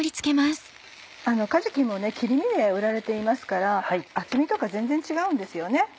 かじきも切り身で売られていますから厚みとか全然違うんですよね。